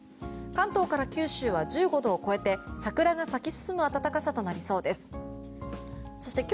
関東から九州は１５度を超えて桜が咲き進む暖かさとなりそうです。